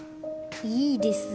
いいですぞ